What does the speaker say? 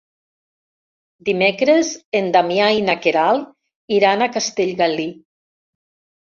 Dimecres en Damià i na Queralt iran a Castellgalí.